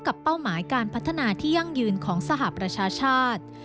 เป้าหมายการพัฒนาที่ยั่งยืนของสหประชาชาติ